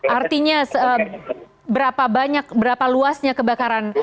artinya seberapa banyak berapa luasnya kebakaran